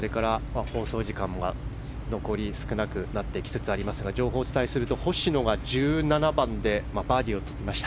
放送時間が残り少なくなってきつつありますが情報をお伝えすると星野が１７番でバーディーをとりました。